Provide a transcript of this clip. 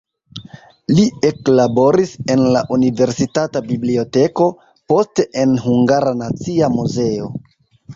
Li eklaboris en la universitata biblioteko, poste en Hungara Nacia Muzeo.